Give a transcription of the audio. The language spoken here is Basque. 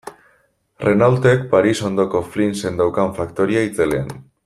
Renaultek Paris ondoko Flinsen daukan faktoria itzelean.